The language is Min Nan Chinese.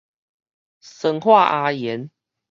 酸化亞鉛